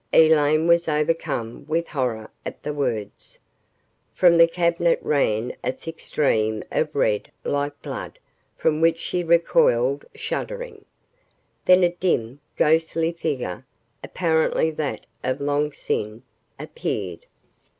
Elaine was overcome with horror at the words. From the cabinet ran a thick stream of red, like blood, from which she recoiled, shuddering. Then a dim, ghostly figure, apparently that of Long Sin, appeared.